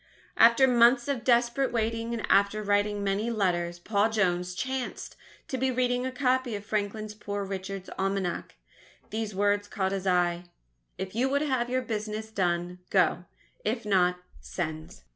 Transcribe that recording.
After months of desperate waiting and after writing many letters, Paul Jones chanced to be reading a copy of Franklin's "Poor Richard's Almanack." These words caught his eye: _If you would have your business done, go if not, send.